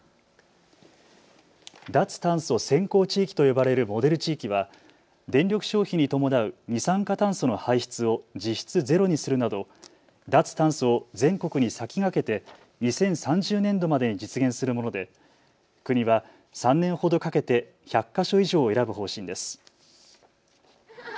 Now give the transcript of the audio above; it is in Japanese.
脱炭素先行地域と呼ばれるモデル地域は電力消費に伴う二酸化炭素の排出を実質ゼロにするなど脱炭素を全国に先駆けて２０３０年度までに実現するもので、国は３年ほどかけて１００か所以上を選ぶ方針です。